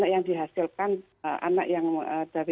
yang dihasilkan anak yang dari